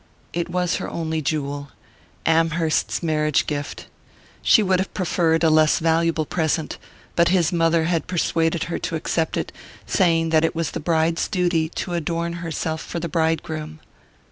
It was her only jewel Amherst's marriage gift. She would have preferred a less valuable present, but his mother had persuaded her to accept it, saying that it was the bride's duty to adorn herself for the bridegroom.